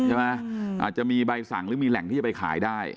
อาจจะมีใบสั่งหรือมีแหล่งที่จะไปขายได้